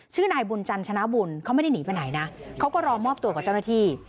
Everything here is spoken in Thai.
ชื่อนายบุญจันชนะบุญเขาไม่ได้หนีไปไหนนะเขาก็รอมอบตัวกับเจ้าหน้าที่